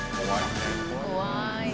怖い。